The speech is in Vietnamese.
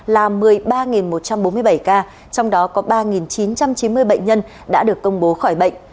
là một mươi ba một trăm bốn mươi bảy ca trong đó có ba chín trăm chín mươi bệnh nhân đã được công bố khỏi bệnh